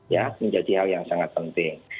ya menjadi hal yang sangat penting